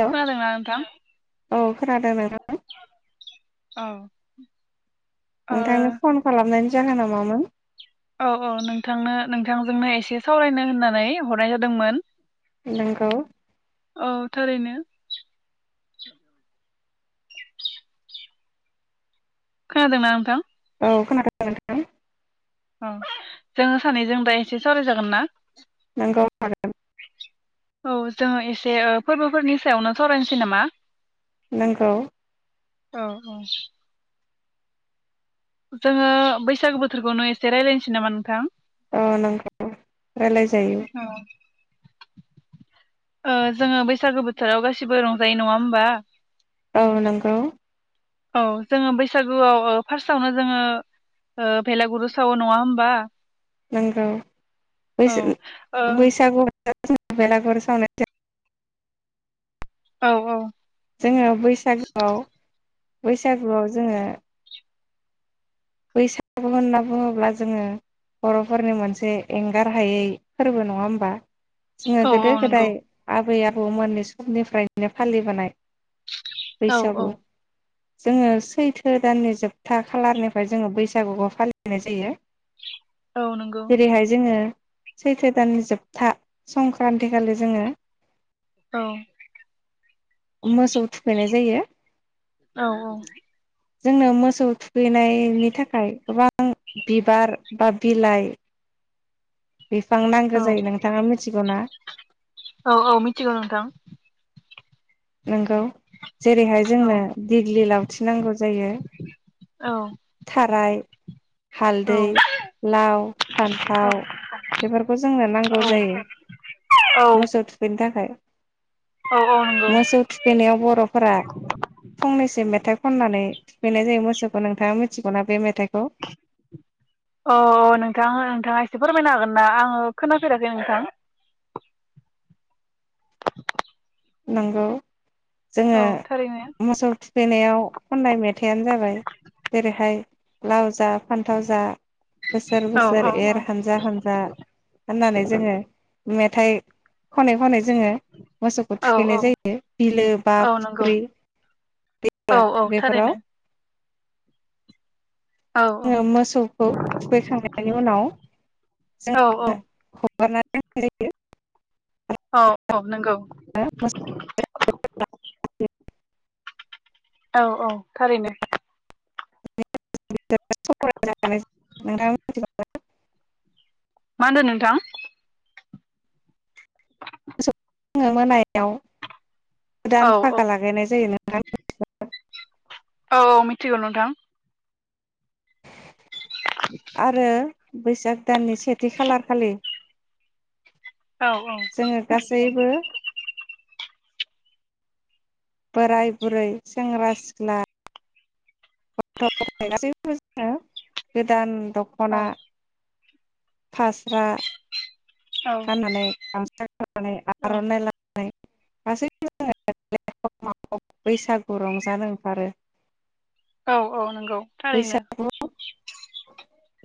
Hello खोनादों ना नोंथां? औ खोनादों नोंथां औ। ओ नोंथांनि फन खालामनायनि जाहोना मामोन? औ औ नोंथांनो नोंथांजोंनो एसे सावरायनो होननानै हरनाय जादोंमोन। नोंगौ। औ थारैनो खोनादोंना नोंथां? औ खोनादों नोंथां। औ जोङो सानैजों दा एसे सावराय जागोन ना? नोंगौ हागोन। औ जोङो एसे ओ फोरबोफोरनि सायावनो सावरायनसै नामा? नोंगौ। औ औ। जोङो बैसागु बोथोरखौनो एसे रायलायनोसै नामा नोंथां? औ नोंगौ। रायलायजायो। औ ओ जोङो बैसागो बोथोराव गासिबो रंजायो। नङा होमबा? औ नोंगौ। औ जोङो बैसागुआव फार्स्टआवनो जोङो ओ भेलागुरु सावो नङा होमबा? नंगौ औ ओ बैसो-बैसागु [unintelligible] औ औ जोङो बैसागुआव बैसागुआव जोङो बैसागु होनना बुङोब्ला जोङो बर'फोरनि मोनसे एंगार हायै फोरबो नङा होमबा? जोङो औ गोदो औ नंगौ गोदाय आबै आ बौमोननि समनिफ्रायनो फालिबोनाय औ औ बैसागु जोङो सैथो दाननि जोबथा खालारनि फ्राय जोङो बैसागुखौ फालिनाय जायो। औ नंगौ जेरैहाय जोङो सैथो दाननि जोबथा संक्रान्ति खालि जोङो औ मोसौ थुखैनाय जायो। औ औ जोंनो मोसौ थुखैनाय नि थाखाय गोबां बिबार बा बिलाइ बिफां औ नांगौ जायो। नोंथाङा मिथिगौ ना? औ औ मिथिगौ नोंथां। नोंगौ जेरैहाय औ जोंनो दिगलि लावथि नांगौ जायो औ थाराय औ हालदै लाव फान्थाव बेफोरखौ जोंनो नांगौ औ जायो। औ मोसौ थुखैनो थाखाय। औ औ नंगौ मोसौ थुखैनायाव बर'फोरा फंनैसो मेथाइ खननानै थुखैनाय जायो मोसौखौ नोंथाङा मिथिगौना बे मेथाइ अ अ नोंथाङा नोंथाङा इसे फोरमायनो हागोन ना आङो खोनाफेराखै नोंथां? नोंगौ जोङो औ थारैनो मोसौ थुखैनायाव खननाय मेथाइयानो जाबाय जेरैहाय लाव जा फान्थाव जा बोसोर औ बोसोर एर औ हानजा हानजा होननानै जोङो मे मेथाइ खनै खनै जोङो मोसौ औ बेनो‌ औ जाहैदो बिलो बा औ नंगौ फुख्रि औ औ बेफोराव थारैनो औ जोङो मोसौखौ थुखैखांनायनि उनाव औ औ जों [unintelligible] औ औ नंगौ। [unintelligible] औ औ थारैनो। नोंथां मोनथि [unintelligible] मा होनदो नोंथां? फुङाव मोनायाव औ गोदान औ फागा लागायनाय जायो नों [unintelligible] औ मिथिगौ नोंथां आरो बैसाग दाननि सेथि खालार खालि औ औ सैबो बोराय बुरै सेंग्रा सिख्ला गथ गथाय गासैबो जोङो गोदान औ दखना फास्रा औ खानानै गामसा [inaudible] नानै औ आर'नाइ लानानै [unintelligible] [inaudible] गासैबो जोङो बैसागु रंजानो ओंखारो औ औ नंगौ थारैनो बैसाग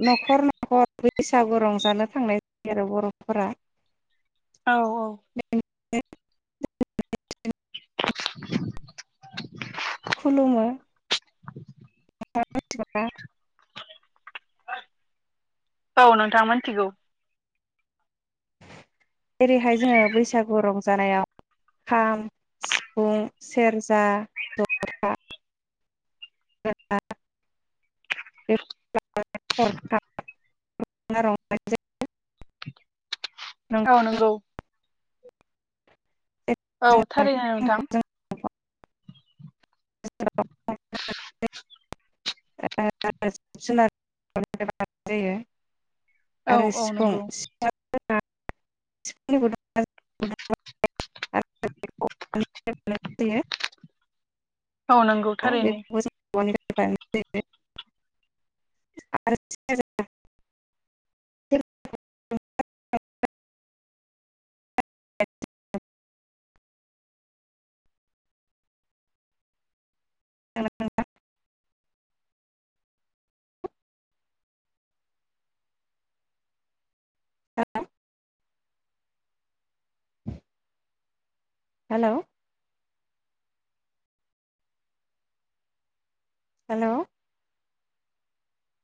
न'खर न'खर बैसागु रंजानो थांनाय जायो आरो बर'फोरा औ औ [unintelligible] [inaudible] खुलुमो [unintelligible] औ नोंथां मोनथिगौ। जेरैहाय जोङो बैसागु रंजानायाव खाम सिफुं सेरजा जथा। [unintelligible] आ नंगौ। औ थारैनो नोंथां [unintelligible] औ आरो औ सिफुं नंगौ [unintelligible] आरो औ नंगौ थारैनो बेखौबो [unintelligible] [unintelligible] [unintelligible] हेल' हेल'